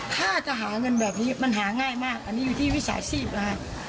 ถ้าจะหาเงินแบบนี้มันหาง่ายมากอันนี้อยู่ที่วิชาชีพนะฮะ